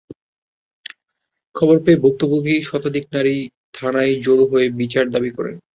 খবর পেয়ে ভুক্তভোগী শতাধিক নারী থানায় জড়ো হয়ে বিচার দাবি করেন।